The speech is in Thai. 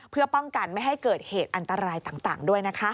เพื่อป้องกันไม่ให้เกิดเหตุอันตรายต่างด้วยนะคะ